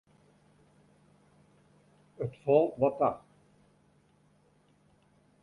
It falt wat ta.